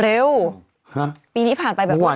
เร็วปีนี้ผ่านไปเร็วไหม